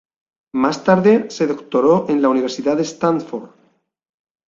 Más tarde se doctoró en la Universidad de Stanford.